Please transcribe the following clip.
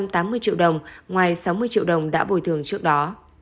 tám trăm tám mươi triệu đồng ngoài sáu mươi triệu đồng đã bồi thường trước đó